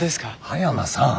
葉山さん。